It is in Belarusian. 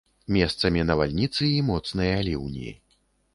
Месцамі навальніцы і моцныя ліўні.